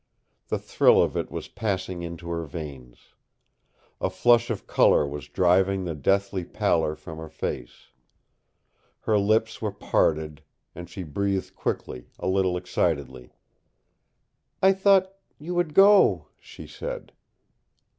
The thrill of it was passing into her veins. A flush of color was driving the deathly pallor from her face. Her lips were parted, and she breathed quickly, a little excitedly. "I thought you would go!" she said.